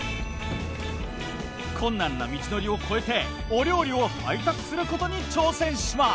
困難な道のりを越えてお料理を配達することに挑戦します。